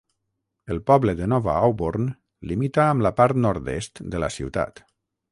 El poble de nova Auburn limita amb la part nord-est de la ciutat.